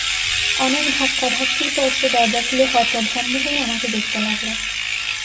অনেক ধাক্কাধাব্ধির পর সে দরজা খুলে হতভম্ব হয়ে আমাকে দেখতে লাগল।